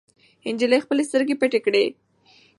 نجلۍ خپلې سترګې پټې کړې.